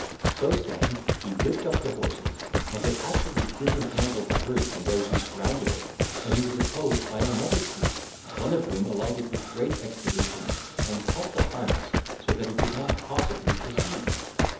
So saying, he whipped up the horses, and had actually disentangled the hearse from those who surrounded it, when he was opposed by another troop, one of whom alighted with great expedition, and cut the harness so as that he could not possibly proceed.